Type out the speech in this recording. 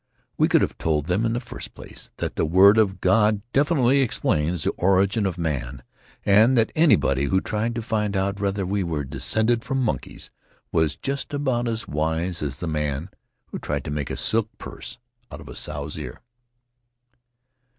We could have told them in the first place that the Word of God definitely explains the origin of man, and that anybody who tried to find out whether we were descended from monkeys was just about as wise as the man who tried to make a silk purse out of a sow's ear."